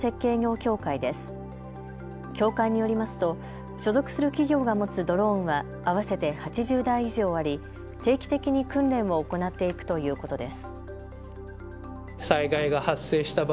協会によりますと所属する企業が持つドローンは合わせて８０台以上あり定期的に訓練を行っていくということです。